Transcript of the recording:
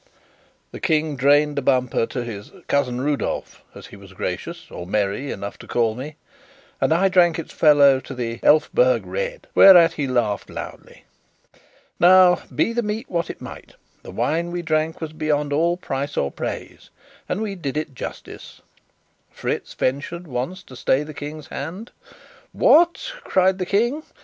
The King drained a bumper to his "Cousin Rudolf," as he was gracious or merry enough to call me; and I drank its fellow to the "Elphberg Red," whereat he laughed loudly. Now, be the meat what it might, the wine we drank was beyond all price or praise, and we did it justice. Fritz ventured once to stay the King's hand. "What?" cried the King.